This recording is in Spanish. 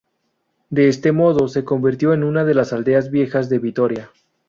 De este modo se convirtió en una de las Aldeas Viejas de Vitoria.